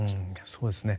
そうですね。